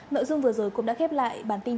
nội dung vừa rồi cũng đã khép lại bản tin